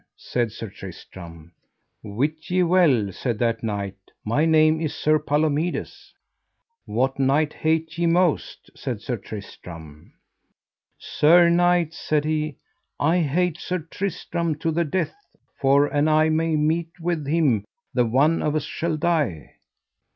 said Sir Tristram. Wit ye well, said that knight, my name is Sir Palomides. What knight hate ye most? said Sir Tristram. Sir knight, said he, I hate Sir Tristram to the death, for an I may meet with him the one of us shall die.